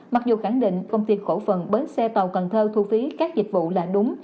mặc dù khẳng định công ty cổ phần bến xe tàu cần thơ thu phí các dịch vụ là đúng